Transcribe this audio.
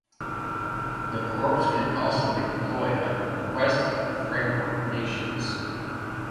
The Corps can also be deployed at the request of the framework nations.